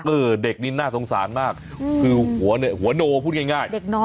เออเด็กนี้น่าสงสารมากคือหัวเนหัวโนพูดง่ายง่ายเด็กน้อยอะนะ